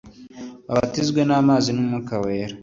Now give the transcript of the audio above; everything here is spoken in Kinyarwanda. babatizwe n'amazi n'umwuka wera